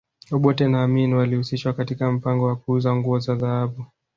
Obote na Amin walihusishwa katika mpango wa kuuza nguo za dhahabu